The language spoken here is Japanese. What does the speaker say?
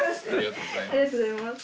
ありがとうございます。